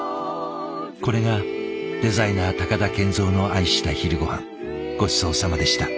これがデザイナー高田賢三の愛した昼ごはんごちそうさまでした。